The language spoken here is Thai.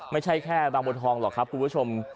ไม่ใช่แค่บางบัวทองหรอกครับคุณผู้ชม